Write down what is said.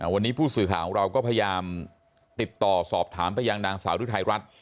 วันนี้ผู้สื่อข่าวของเราก็พยายามติดต่อสอบถามไปยังนางสาวรุทัยรัฐ